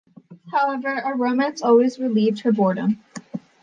However, a romance always relieved her boredom.